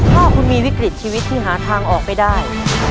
ถ้าคุณมีวิกฤตชีวิตที่หาทางออกไม่ได้